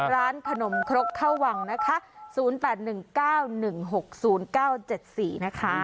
ร้านขนมครกเข้าวังนะคะ๐๘๑๙๑๖๐๙๗๔นะคะ